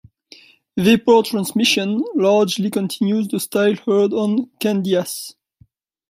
"Vapor Transmission" largely continues the style heard on "Candyass".